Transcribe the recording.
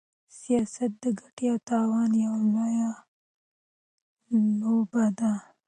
سياست د ګټې او تاوان يوه لويه لوبه ده.